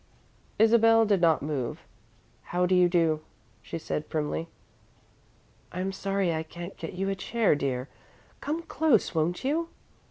Isabel did not move. "How do you do?" she said primly. "I'm sorry I can't get you a chair, dear. Come close, won't you?"